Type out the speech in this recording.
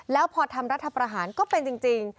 แล้วพอทำรัฐประหารก็เป็นจริง